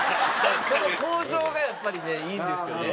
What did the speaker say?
この口上がやっぱりねいいんですよね。